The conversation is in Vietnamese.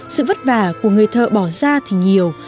sự vất vả của người thợ bỏ ra thì nhiều